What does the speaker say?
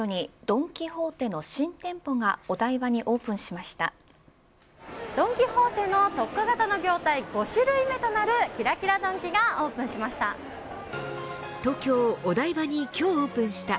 ドン・キホーテの特化型の業態５種類目となるキラキラドンキがオープンしました。